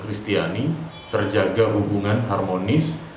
dan kristiani terjaga hubungan harmonis